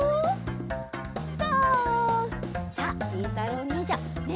とう！さありんたろうにんじゃねえ